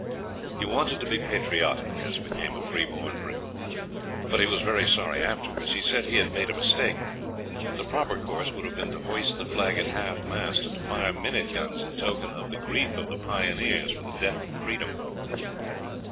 He wanted to be patriotic, as became a free born Briton. But he was very sorry afterwards; he said he had made a mistake. The proper course would have been to hoist the flag at half mast, and to fire minute guns, in token of the grief of the pioneers for the death of freedom.